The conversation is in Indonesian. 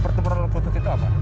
pertempuran laut khusus itu apa